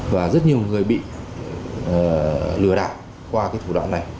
và rất nhiều người bị lừa đảo qua cái thủ đoạn này